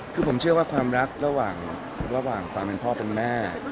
คือผมเชื่อว่าความรักระหว่างความเป็นพ่อเป็นแม่